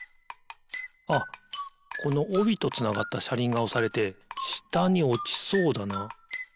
あっこのおびとつながったしゃりんがおされてしたにおちそうだな。